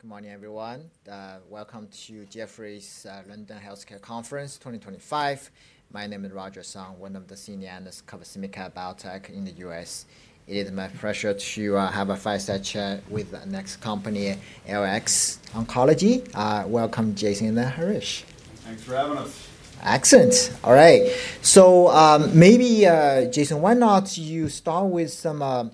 Good morning, everyone. Welcome to Jefferies London Healthcare Conference 2025. My name is Roger Song, one of the senior analysts covering SIMCA Biotech in the U.S.. It is my pleasure to have a fireside chat with the next company, ALX Oncology. Welcome, Jason and Harish. Thanks for having us. Excellent. All right. Maybe, Jason, why not you start with some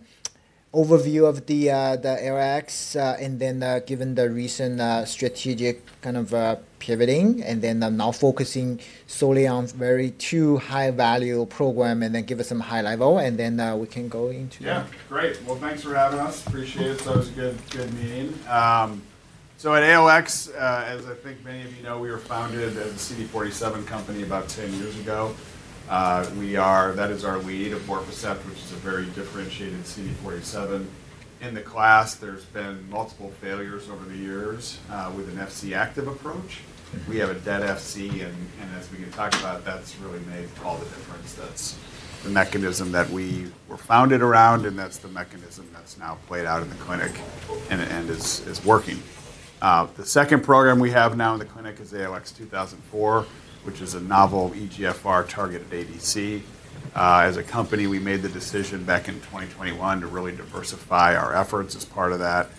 overview of ALX and then given the recent strategic kind of pivoting and then now focusing solely on very two high-value programs and then give us some high level and then we can go into. Yeah, great. Thanks for having us. Appreciate it. It was a good meeting. At ALX, as I think many of you know, we were founded as a CD47 company about 10 years ago. That is our lead evorpacept, which is a very differentiated CD47. In the class, there's been multiple failures over the years with an Fc active approach. We have a dead Fc, and as we can talk about, that's really made all the difference. That's the mechanism that we were founded around, and that's the mechanism that's now played out in the clinic and is working. The second program we have now in the clinic is ALX2004, which is a novel EGFR targeted ADC. As a company, we made the decision back in 2021 to really diversify our efforts. As part of that,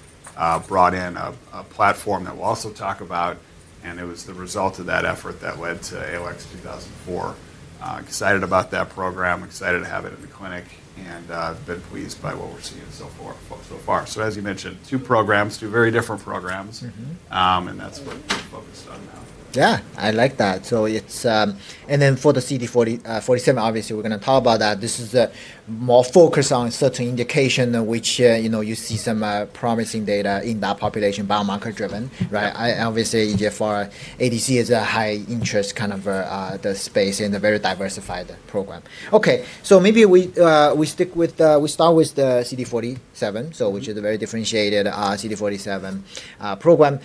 brought in a platform that we'll also talk about, and it was the result of that effort that led to ALX2004. Excited about that program, excited to have it in the clinic, and been pleased by what we're seeing so far. As you mentioned, two programs, two very different programs, and that's what we're focused on now. Yeah, I like that. For the CD47, obviously, we're going to talk about that. This is more focused on certain indications in which you see some promising data in that population, biomarker-driven, right? Obviously, EGFR ADC is a high-interest kind of space in a very diversified program. Maybe we stick with, we start with the CD47, which is a very differentiated CD47 program.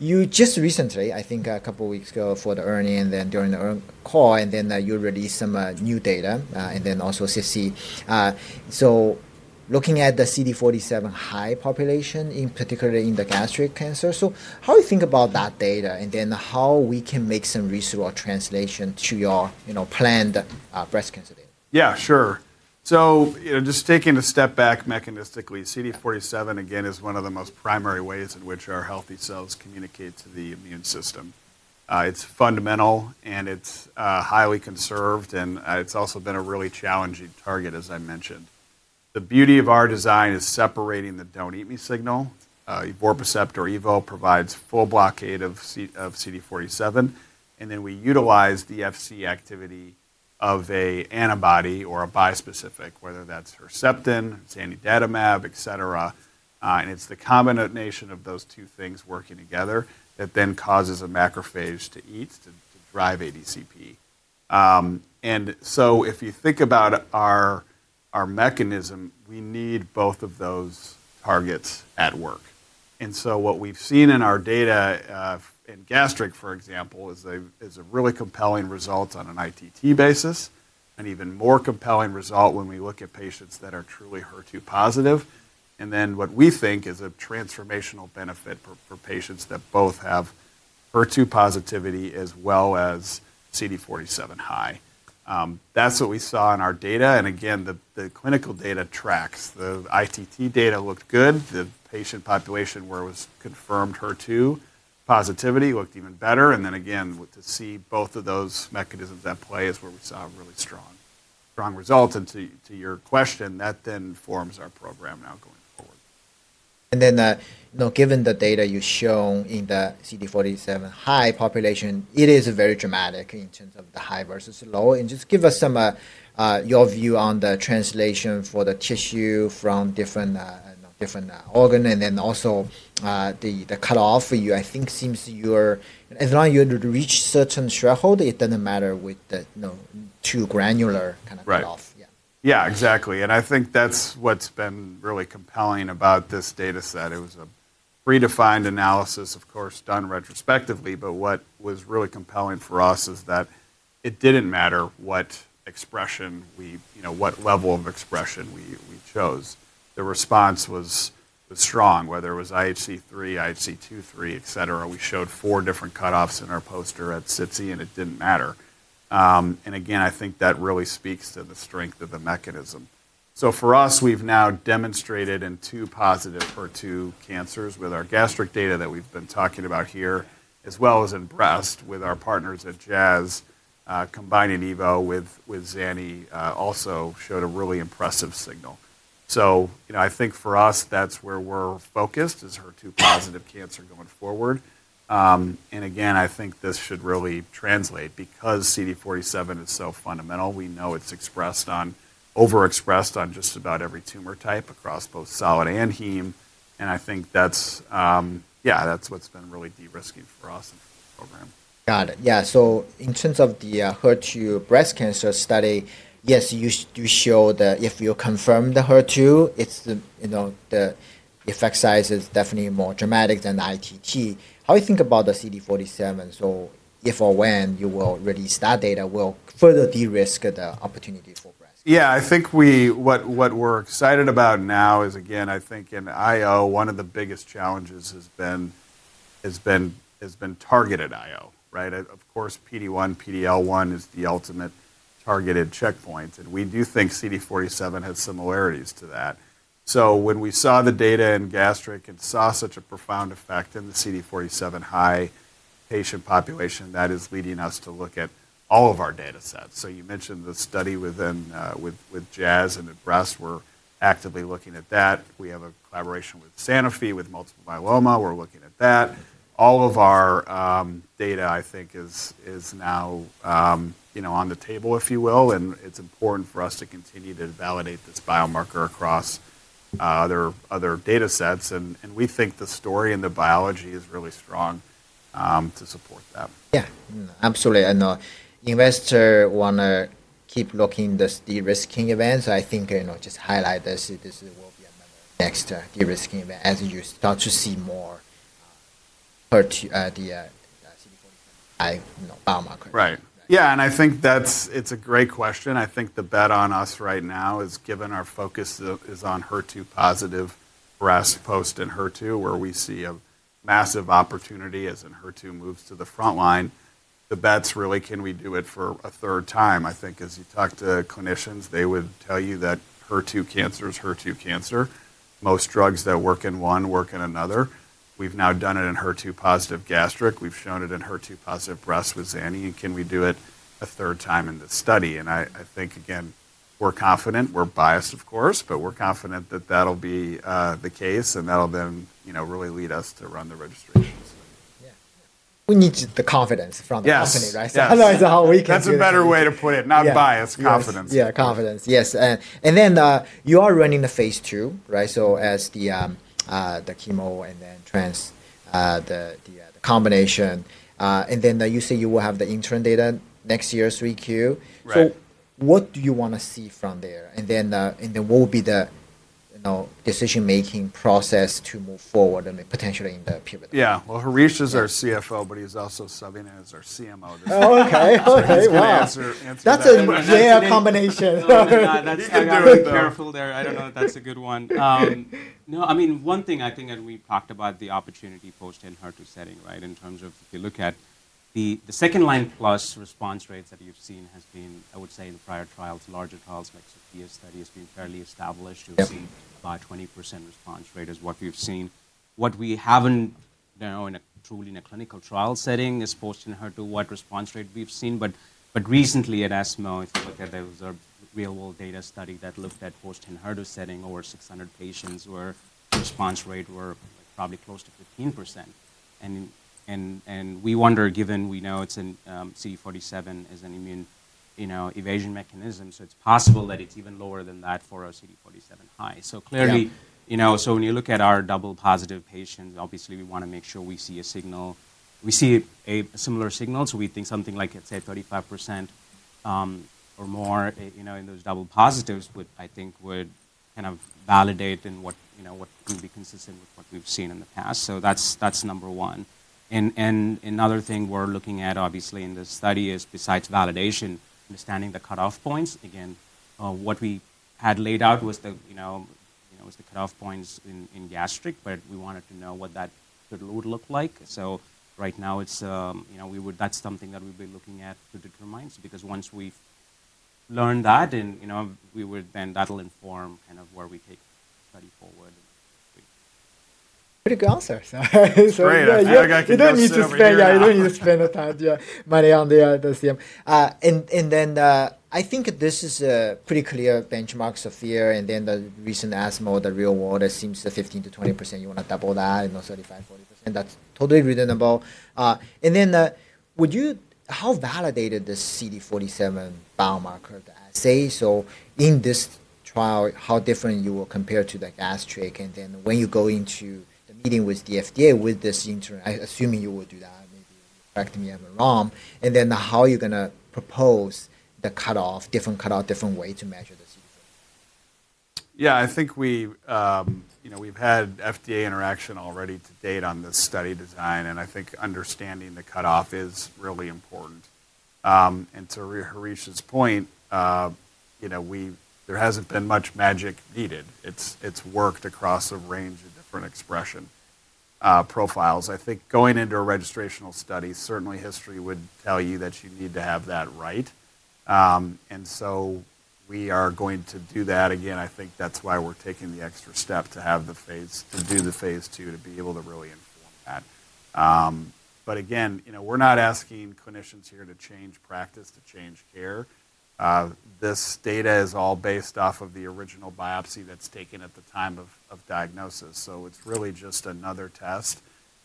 You just recently, I think a couple of weeks ago for the early and then during the call, and then you released some new data and then also CC. Looking at the CD47 high population, in particular in the gastric cancer, how do you think about that data and then how we can make some research or translation to your planned breast cancer data? Yeah, sure. Just taking a step back mechanistically, CD47 again is one of the most primary ways in which our healthy cells communicate to the immune system. It's fundamental and it's highly conserved, and it's also been a really challenging target, as I mentioned. The beauty of our design is separating the don't eat me signal. Evorpacept provides full blockade of CD47, and then we utilize the Fc activity of an antibody or a bispecific, whether that's Herceptin, zanidatamab, et cetera. It's the combination of those two things working together that then causes a macrophage to eat to drive ADCP. If you think about our mechanism, we need both of those targets at work. What we've seen in our data in gastric, for example, is a really compelling result on an ITT basis and an even more compelling result when we look at patients that are truly HER2-positive. What we think is a transformational benefit for patients that both have HER2 positivity as well as CD47 high. That's what we saw in our data. Again, the clinical data tracks, the ITT data looked good. The patient population where it was confirmed HER2 positivity looked even better. Again, to see both of those mechanisms at play is where we saw a really strong result. To your question, that then forms our program now going forward. Given the data you've shown in the CD47 high population, it is very dramatic in terms of the high versus low. Just give us some of your view on the translation for the tissue from different organ and then also the cut-off for you. I think seems you're, as long as you reach certain threshold, it doesn't matter with the two granular kind of cut-off. Yeah, exactly. I think that's what's been really compelling about this data set. It was a predefined analysis, of course, done retrospectively, but what was really compelling for us is that it didn't matter what expression, what level of expression we chose. The response was strong, whether it was IHC3, IHC23, et cetera. We showed four different cutoffs in our poster at SITC, and it didn't matter. I think that really speaks to the strength of the mechanism. For us, we've now demonstrated in two positive HER2 cancers with our gastric data that we've been talking about here, as well as in breast with our partners at Jazz, combining evorpacept with zanidatamab also showed a really impressive signal. I think for us, that's where we're focused is HER2-positive cancer going forward. I think this should really translate because CD47 is so fundamental. We know it's expressed on, overexpressed on just about every tumor type across both solid and heme. I think that's, yeah, that's what's been really de-risking for us in the program. Got it. Yeah. In terms of the HER2 breast cancer study, yes, you showed that if you confirm the HER2, the effect size is definitely more dramatic than the ITT. How do you think about the CD47? If or when you will release that data, will it further de-risk the opportunity for breast cancer? Yeah, I think what we're excited about now is, again, I think in IO, one of the biggest challenges has been targeted IO, right? Of course, PD-1, PD-L1 is the ultimate targeted checkpoints. We do think CD47 has similarities to that. When we saw the data in gastric and saw such a profound effect in the CD47 high patient population, that is leading us to look at all of our data sets. You mentioned the study with Jazz at breast, we're actively looking at that. We have a collaboration with Sanofi with multiple myeloma. We're looking at that. All of our data, I think, is now on the table, if you will, and it's important for us to continue to validate this biomarker across other data sets. We think the story and the biology is really strong to support that. Yeah, absolutely. Investors want to keep looking at the de-risking events. I think just highlight this will be another next de-risking event as you start to see more CD47 high biomarkers. Right. Yeah, and I think that's a great question. I think the bet on us right now is given our focus is on HER2-positive breast post and HER2, where we see a massive opportunity as HER2 moves to the front line. The bet's really, can we do it for a third time? I think as you talk to clinicians, they would tell you that HER2 cancer is HER2 cancer. Most drugs that work in one work in another. We've now done it in HER2-positive gastric. We've shown it in HER2-positive breast with zanidatamab. Can we do it a third time in this study? I think, again, we're confident. We're biased, of course, but we're confident that that'll be the case and that'll then really lead us to run the registration. We need the confidence from the company, right? Otherwise, how are we going to do it? That's a better way to put it. Not bias, confidence. Yeah, confidence. Yes. You are running the phase II, right? As the chemo and then the combination. You say you will have the intern data next year, 3Q. What do you want to see from there? What will be the decision-making process to move forward potentially in the pivot? Yeah, Harish is our CFO, but he's also subbing in as our CMO. Oh, okay. That's a great answer. That's a rare combination. Yeah, that's a good one. Be careful there. I don't know if that's a good one. No, I mean, one thing I think that we talked about the opportunity post and HER2 setting, right? In terms of if you look at the second line plus response rates that you've seen has been, I would say in prior trials, larger trials like SOPHIA's study has been fairly established. You've seen about 20% response rate is what we've seen. What we haven't now in a truly in a clinical trial setting is post and HER2, what response rate we've seen. Recently at ASMO, if you look at the real-world data study that looked at post and HER2 setting, over 600 patients where response rate were probably close to 15%. We wonder given we know it's in CD47 as an immune evasion mechanism, so it's possible that it's even lower than that for a CD47 high. Clearly, when you look at our double positive patients, obviously we want to make sure we see a signal. We see a similar signal. We think something like, let's say, 35% or more in those double positives would, I think, would kind of validate and would be consistent with what we've seen in the past. That's number one. Another thing we're looking at, obviously in this study, is besides validation, understanding the cutoff points. Again, what we had laid out was the cutoff points in gastric, but we wanted to know what that would look like. Right now, that's something that we've been looking at to determine. Because once we've learned that, that'll inform kind of where we take the study forward. Pretty good answer. It's great. I think I can keep spending. You don't need to spend, yeah, you don't need to spend that money on the CMO. I think this is a pretty clear benchmark, SOPHIA, and then the recent ASMO, the real world, it seems the 15%-20%, you want to double that and 35%-40%. That's totally reasonable. How validated the CD47 biomarker to say, so in this trial, how different you will compare to the gastric? When you go into the meeting with the FDA with this intern, assuming you will do that, maybe correct me if I'm wrong, how are you going to propose the cutoff, different cutoff, different way to measure the CD47? Yeah, I think we've had FDA interaction already to date on this study design, and I think understanding the cutoff is really important. And to Harish's point, there hasn't been much magic needed. It's worked across a range of different expression profiles. I think going into a registrational study, certainly history would tell you that you need to have that right. We are going to do that. I think that's why we're taking the extra step to have the phase, to do the phase II to be able to really inform that. Again, we're not asking clinicians here to change practice, to change care. This data is all based off of the original biopsy that's taken at the time of diagnosis. It's really just another test.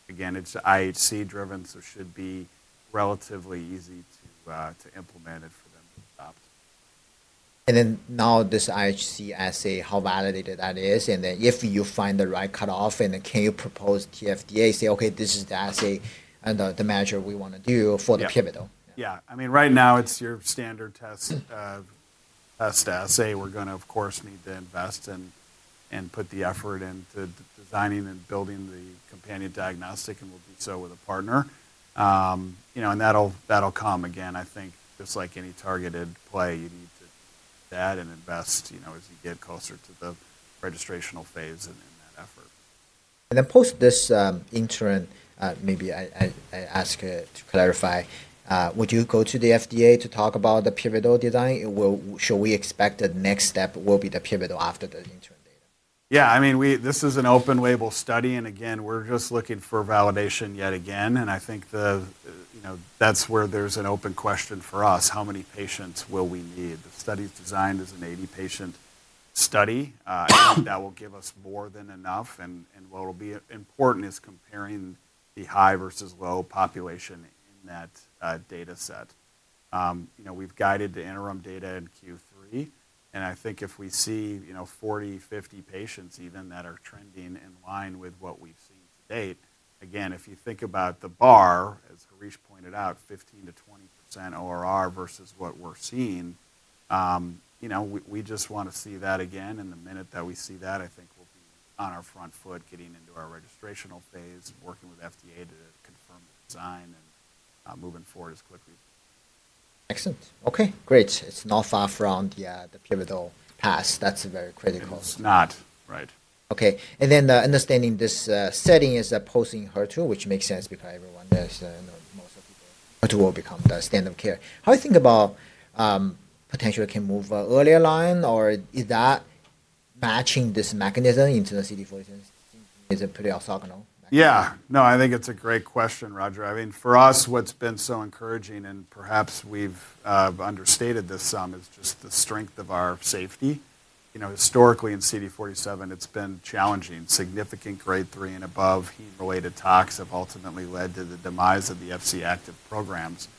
Again, it's IHC driven, so should be relatively easy to implement it for them to adopt. Now this IHC assay, how validated that is? If you find the right cutoff, can you propose to FDA, say, okay, this is the assay and the measure we want to do for the pivotal? Yeah, I mean, right now it's your standard test assay. We're going to, of course, need to invest and put the effort into designing and building the companion diagnostic, and we'll do so with a partner. That'll come again, I think, just like any targeted play, you need to do that and invest as you get closer to the registrational phase and that effort. Post this interim, maybe I ask to clarify, would you go to the FDA to talk about the pivotal design? Should we expect the next step will be the pivotal after the interim data? Yeah, I mean, this is an open label study, and again, we're just looking for validation yet again. I think that's where there's an open question for us. How many patients will we need? The study's designed as an 80-patient study. I think that will give us more than enough. What will be important is comparing the high versus low population in that data set. We've guided the interim data in Q3. I think if we see 40-50 patients even that are trending in line with what we've seen to date, again, if you think about the bar, as Harish pointed out, 15%-20% ORR versus what we're seeing, we just want to see that again. The minute that we see that, I think we'll be on our front foot getting into our registrational phase, working with FDA to confirm the design and moving forward as quickly as possible. Excellent. Okay, great. It's not far from the pivotal pass. That's very critical. It's not, right. Okay. Understanding this setting is post-HER2, which makes sense because everyone knows most of people will become the standard of care. How do you think about potentially can move earlier line or is that matching this mechanism into the CD47? Is it pretty orthogonal? Yeah. No, I think it's a great question, Roger. I mean, for us, what's been so encouraging and perhaps we've understated this some is just the strength of our safety. Historically in CD47, it's been challenging. Significant grade three and above heme-related tox have ultimately led to the demise of the Fc active programs.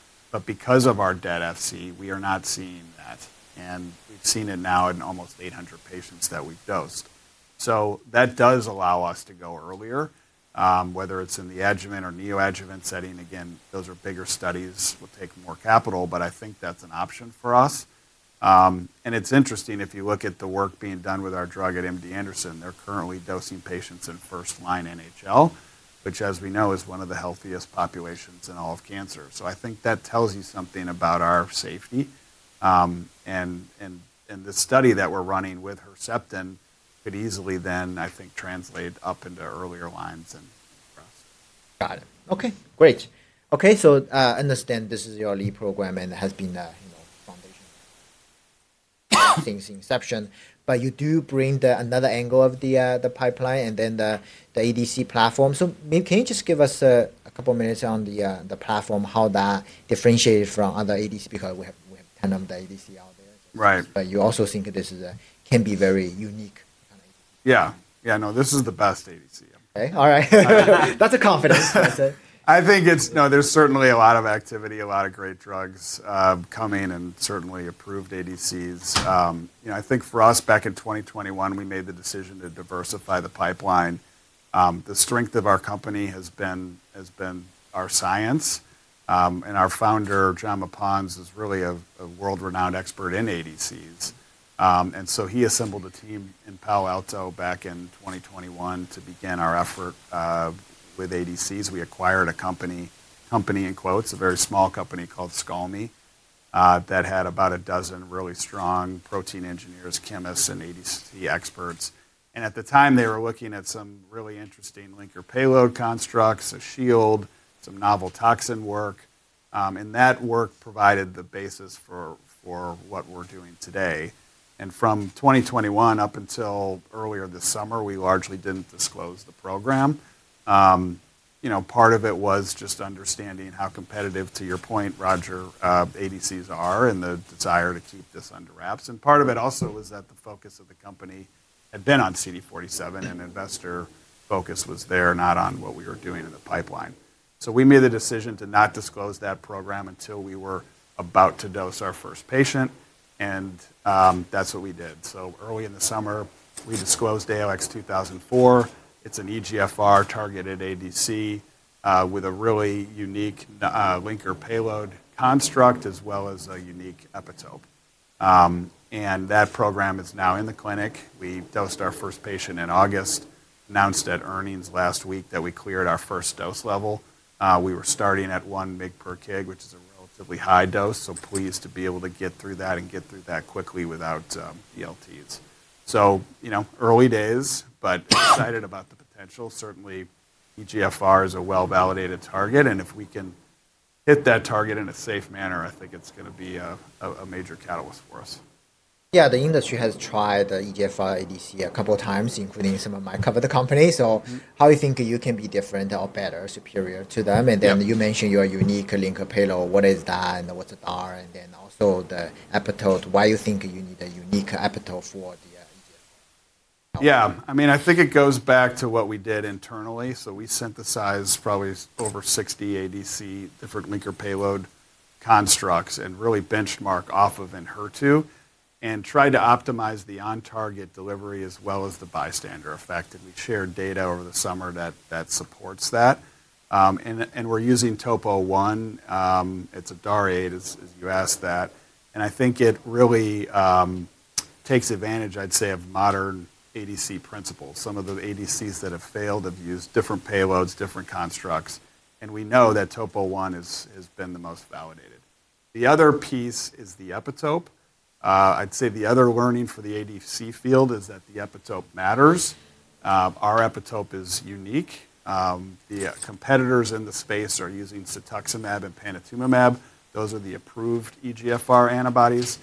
Because of our dead Fc, we are not seeing that. We've seen it now in almost 800 patients that we've dosed. That does allow us to go earlier, whether it's in the adjuvant or neoadjuvant setting. Again, those are bigger studies, will take more capital, but I think that's an option for us. It's interesting if you look at the work being done with our drug at MD Anderson, they're currently dosing patients in first line NHL, which as we know is one of the healthiest populations in all of cancer. I think that tells you something about our safety. The study that we're running with Herceptin could easily then, I think, translate up into earlier lines and breast. Got it. Okay, great. Okay, so I understand this is your lead program and has been foundation since inception, but you do bring another angle of the pipeline and then the ADC platform. Maybe can you just give us a couple of minutes on the platform, how that differentiates from other ADC because we have kind of the ADC out there. Right. You also think this can be very unique. Yeah. Yeah, no, this is the best ADC. Okay. All right. That's a confidence. I think it's, no, there's certainly a lot of activity, a lot of great drugs coming and certainly approved ADCs. I think for us, back in 2021, we made the decision to diversify the pipeline. The strength of our company has been our science. And our founder, Jaume Pons, is really a world-renowned expert in ADCs. He assembled a team in Palo Alto back in 2021 to begin our effort with ADCs. We acquired a company, company in quotes, a very small company called Scalmi that had about a dozen really strong protein engineers, chemists, and ADC experts. At the time, they were looking at some really interesting linker payload constructs, a shield, some novel toxin work. That work provided the basis for what we're doing today. From 2021 up until earlier this summer, we largely didn't disclose the program. Part of it was just understanding how competitive, to your point, Roger, ADCs are and the desire to keep this under wraps. Part of it also was that the focus of the company had been on CD47 and investor focus was there, not on what we were doing in the pipeline. We made the decision to not disclose that program until we were about to dose our first patient. That is what we did. Early in the summer, we disclosed ALX2004. It is an EGFR targeted ADC with a really unique linker payload construct as well as a unique epitope. That program is now in the clinic. We dosed our first patient in August, announced at earnings last week that we cleared our first dose level. We were starting at one mg per kg, which is a relatively high dose. Pleased to be able to get through that and get through that quickly without DLTs. Early days, but excited about the potential. Certainly, EGFR is a well-validated target. If we can hit that target in a safe manner, I think it's going to be a major catalyst for us. Yeah, the industry has tried the EGFR ADC a couple of times, including some of my covered companies. How do you think you can be different or better, superior to them? You mentioned your unique linker payload. What is that and what's the DAR and then also the epitope, why you think you need a unique epitope for the EGFR? Yeah, I mean, I think it goes back to what we did internally. We synthesized probably over 60 ADC different linker payload constructs and really benchmarked off of ENHERTU and tried to optimize the on-target delivery as well as the bystander effect. We shared data over the summer that supports that. We're using Topo-I. It's a DAR-8, as you asked that. I think it really takes advantage, I'd say, of modern ADC principles. Some of the ADCs that have failed have used different payloads, different constructs. We know that Topo-I has been the most validated. The other piece is the epitope. I'd say the other learning for the ADC field is that the epitope matters. Our epitope is unique. The competitors in the space are using cetuximab and panitumumab. Those are the approved EGFR antibodies.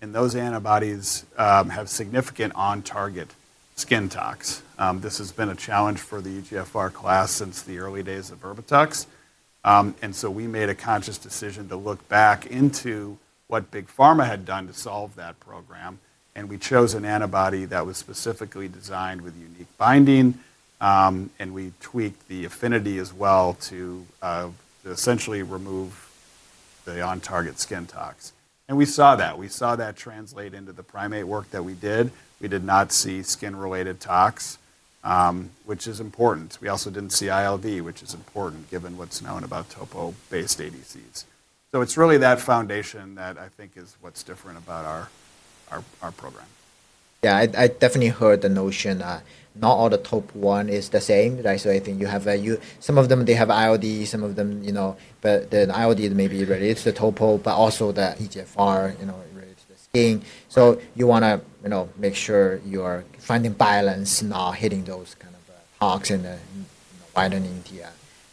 Those antibodies have significant on-target skin tox. This has been a challenge for the EGFR class since the early days of ERBITUX. We made a conscious decision to look back into what big pharma had done to solve that program. We chose an antibody that was specifically designed with unique binding. We tweaked the affinity as well to essentially remove the on-target skin tox. We saw that. We saw that translate into the primate work that we did. We did not see skin-related tox, which is important. We also did not see ILD, which is important given what is known about Topo-based ADCs. It is really that foundation that I think is what is different about our program. Yeah, I definitely heard the notion not all the Topo-I is the same, right? I think you have some of them, they have ILD, some of them, but the ILD may be related to Topo, but also the EGFR related to the skin. You want to make sure you are finding balance, not hitting those kind of tox and widening the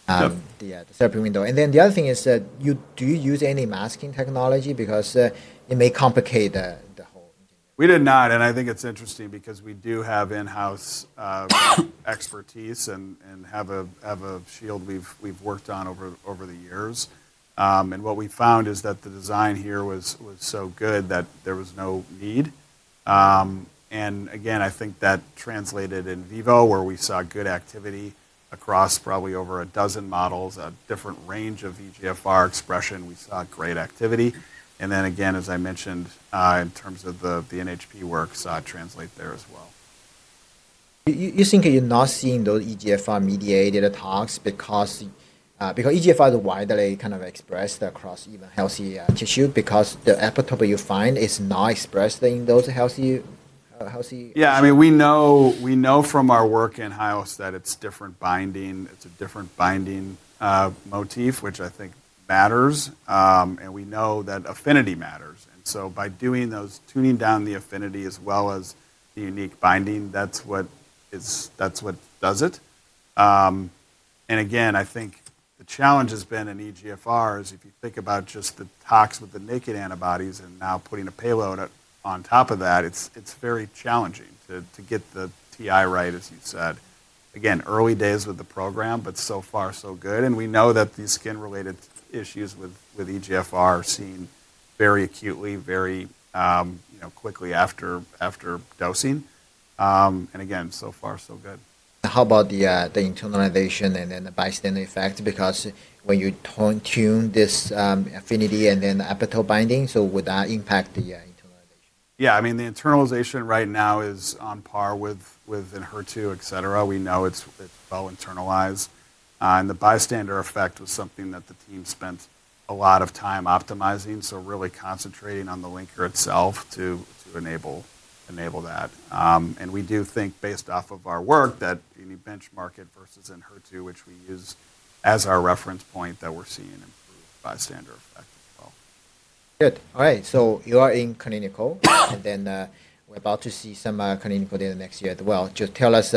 therapy window. The other thing is that do you use any masking technology because it may complicate the whole engineering? We did not. I think it's interesting because we do have in-house expertise and have a shield we've worked on over the years. What we found is that the design here was so good that there was no need. I think that translated in vivo, where we saw good activity across probably over a dozen models at different range of EGFR expression, we saw great activity. As I mentioned, in terms of the NHP work, saw translate there as well. You think you're not seeing those EGFR-mediated tox because EGFR is widely kind of expressed across even healthy tissue because the epitope you find is not expressed in those healthy? Yeah, I mean, we know from our work in house that it's different binding. It's a different binding motif, which I think matters. We know that affinity matters. By doing those, tuning down the affinity as well as the unique binding, that's what does it. I think the challenge has been in EGFR is if you think about just the tox with the naked antibodies and now putting a payload on top of that, it's very challenging to get the TI right, as you said. Early days with the program, but so far so good. We know that these skin-related issues with EGFR are seen very acutely, very quickly after dosing. So far so good. How about the internalization and then the bystander effect? Because when you tune this affinity and then epitope binding, so would that impact the internalization? Yeah, I mean, the internalization right now is on par with ENHERTU, et cetera. We know it's well internalized. The bystander effect was something that the team spent a lot of time optimizing, so really concentrating on the linker itself to enable that. We do think based off of our work that any benchmark it versus ENHERTU, which we use as our reference point, that we're seeing improved bystander effect as well. Good. All right. You are in clinical, and then we're about to see some clinical data next year as well. Just tell us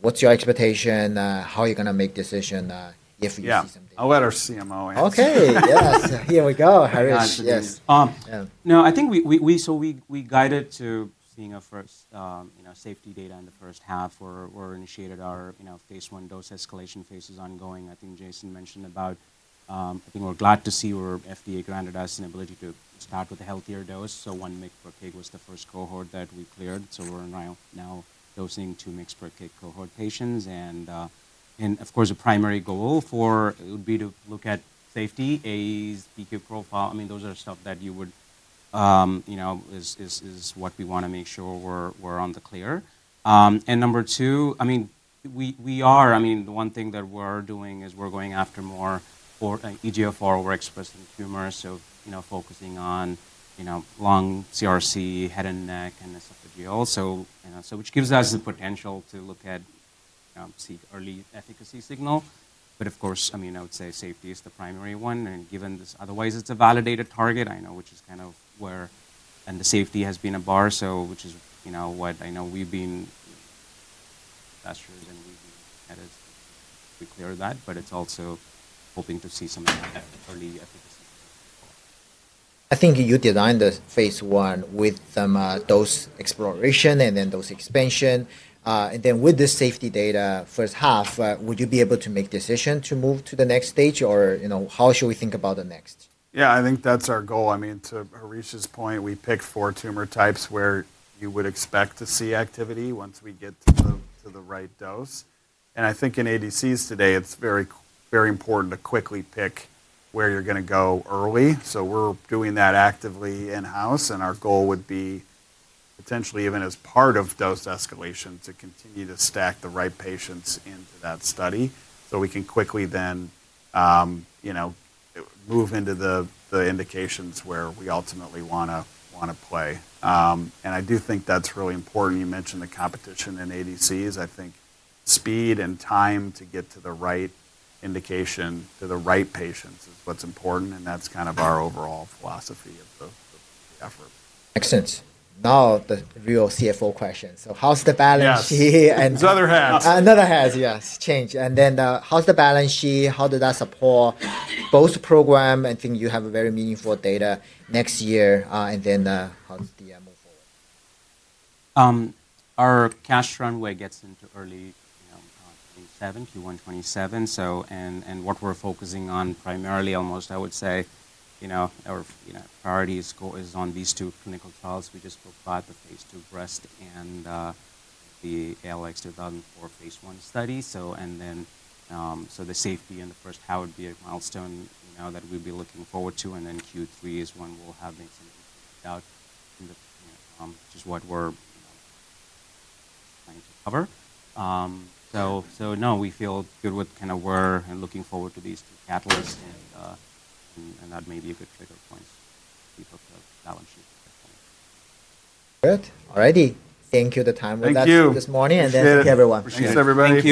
what's your expectation, how you're going to make decision if you see something. Yeah, I'll let our CMO answer. Okay, yes. Here we go, Harish. No, I think we guided to seeing our first safety data in the first half where we initiated our phase I dose escalation phase is ongoing. I think Jason mentioned about, I think we're glad to see where FDA granted us an ability to start with a healthier dose. One mg per kg was the first cohort that we cleared. We are now dosing two mg per kg cohort patients. Of course, the primary goal for it would be to look at safety, AEs, PK profile. I mean, those are stuff that you would is what we want to make sure we're on the clear. Number two, I mean, we are, I mean, the one thing that we're doing is we're going after more EGFR or expressed in tumors. Focusing on lung, CRC, head and neck, and esophageal. Which gives us the potential to look at early efficacy signal. I mean, I would say safety is the primary one. Given this, otherwise it's a validated target, which is kind of where the safety has been a bar, which is what I know we've been, as investors, and we've been headed to clear that, but it's also hoping to see some early efficacy. I think you designed the phase I with some dose exploration and then dose expansion. With the safety data first half, would you be able to make decision to move to the next stage or how should we think about the next? Yeah, I think that's our goal. I mean, to Harish's point, we pick four tumor types where you would expect to see activity once we get to the right dose. I think in ADCs today, it's very important to quickly pick where you're going to go early. We are doing that actively in-house. Our goal would be potentially even as part of dose escalation to continue to stack the right patients into that study so we can quickly then move into the indications where we ultimately want to play. I do think that's really important. You mentioned the competition in ADCs. I think speed and time to get to the right indication to the right patients is what's important. That's kind of our overall philosophy of the effort. Excellent. Now the real CFO question. How's the balance here? Yeah, it's other hats. Another hat, yes. Change. How's the balance sheet? How does that support both program? I think you have very meaningful data next year. How does DM move forward? Our cash runway gets into early Q1 2027. What we're focusing on primarily, almost, I would say, our priority score is on these two clinical trials. We just took by the phase II breast and the ALX2004 phase I study. The safety in the first half would be a milestone that we'd be looking forward to. Q3 is when we'll have something to break out, which is what we're trying to cover. No, we feel good with kind of where and looking forward to these two catalysts. That may be a good trigger point to keep up the balance sheet at that point. Good. All righty. Thank you for the time with us this morning. Thank you, everyone. Appreciate everybody.